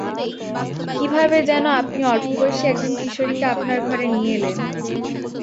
কীভাবে যেন আপনি অল্পবয়সী একজন কিশোরীকে আপনার ঘরে নিয়ে এলেন।